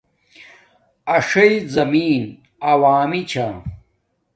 اݽݵ زمین عوامی چھا